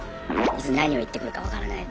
いつ何を言ってくるか分からない。